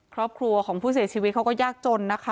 ครอบครัวของผู้เสียชีวิตเขาก็ยากจนนะคะ